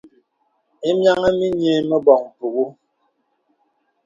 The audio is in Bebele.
Ìmìanə̀ mì nyə̀ à mə bɔŋ mpùŋə̀.